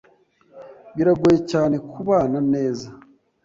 Biragoye cyane kubana neza.